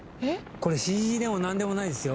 これＣＧでもなんでもないですよ。